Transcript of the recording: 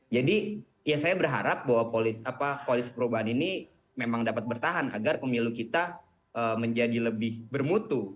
jadi ya saya berharap bahwa koalisi perubahan ini memang dapat bertahan agar pemilu kita menjadi lebih bermutu